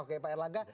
oke pak erlangga